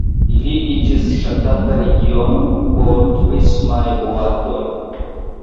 Ili iĝis ŝatata regiono por turismaj boatoj.